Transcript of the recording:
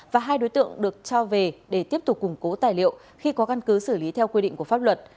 và hai đối tượng được cho về để tiếp tục củng cố tài liệu khi có căn cứ xử lý theo quy định của pháp luật